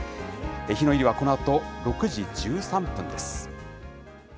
日の入りはこのあと６時１３分です。